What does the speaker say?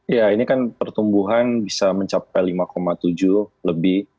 ya ini kan pertumbuhan bisa mencapai lima tujuh lebih